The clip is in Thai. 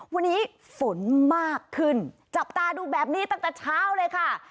วันนี้ฝนมากขึ้นจับตาดูแบบนี้ตั้งแต่เช้าเลยค่ะ